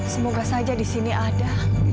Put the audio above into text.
semoga saja disini ada